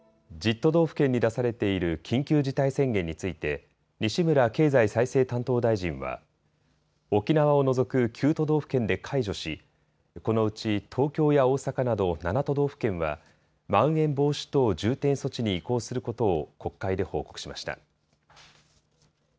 都道府県に出されている緊急事態宣言について西村経済再生担当大臣は沖縄を除く９都道府県で解除しこのうち東京や大阪など７都道府県はまん延防止等重点措置に移行することを国会で報告しました。